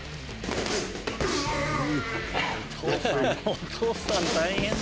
お父さん大変だ。